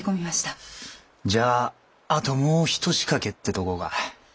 じゃああともう一仕掛けってとこか。